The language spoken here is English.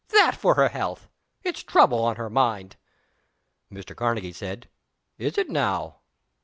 That for her health! It's trouble on her mind." Mr. Karnegie said, "Is it now?"